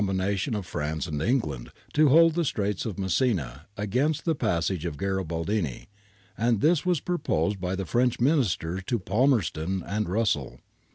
I04 GARIBALDI AND THE MAKING OF ITALY tion of France and England to hold the Straits of Messina against the passage of the Garibaldini, and this was pro posed by the French Ministers to Palmerston and Russell.